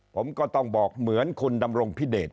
ผมก็ต้องบอกเหมือนคุณดำรงพิเดช